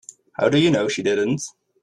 How do you know she didn't?